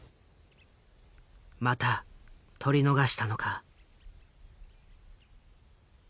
「また取り逃したのか？」。